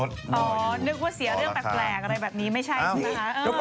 อ๋อนึกว่าเสียเรื่องแปลกอะไรแบบนี้ไม่ใช่ใช่ไหมคะ